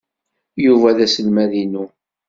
Yuba d aselmad-inu.